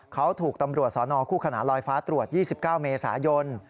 เขาถูกตำรวจสนคู่ขนานลอยฟ้าตรวจ๒๙เมษายน